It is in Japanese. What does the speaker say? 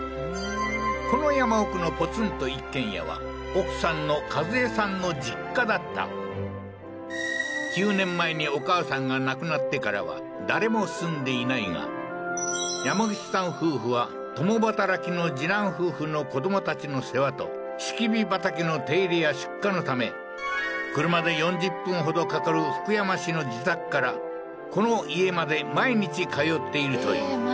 この山奥のポツンと一軒家は９年前にお母さんが亡くなってからは誰も住んでいないが山口さん夫婦は共働きの次男夫婦の子どもたちの世話と櫁畑の手入れや出荷のため車で４０分ほどかかる福山市の自宅からこの家まで毎日通っているというええー